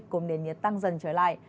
cùng nền nhiệt tăng dần trở lại